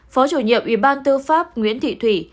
phó chủ nhiệm ủy ban tư pháp nguyễn thị thủy